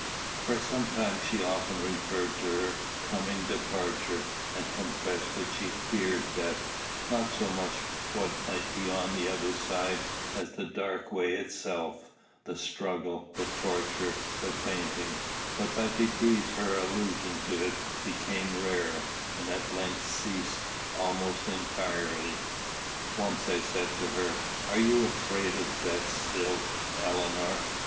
For some time she often referred to her coming departure, and confessed that she "feared death; not so much what might be on the other side, as the dark way itself, the struggle, the torture, the fainting; but by degrees her allusions to it became rarer, and at length ceased almost entirely. Once I said to her, "Are you afraid of death still, Eleanor?"